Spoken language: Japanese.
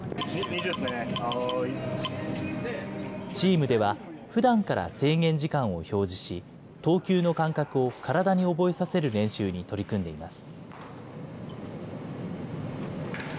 チームでは、ふだんから制限時間を表示し、投球の間隔を体に覚えさせる練習に取り組んでいます。